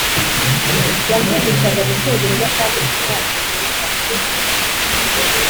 Yamvugishaga mu cyongereza kandi njye ntacyo numva